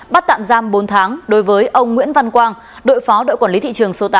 bắt tạm giam bốn tháng đối với ông nguyễn văn quang đội phó đội quản lý thị trường số tám